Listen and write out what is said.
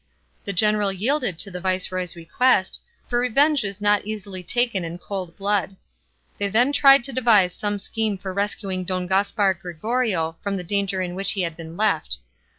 The general yielded to the viceroy's request, for revenge is not easily taken in cold blood. They then tried to devise some scheme for rescuing Don Gaspar Gregorio from the danger in which he had been left.